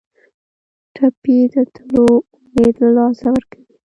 ټپي د تلو امید له لاسه ورکوي.